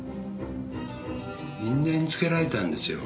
因縁つけられたんですよ。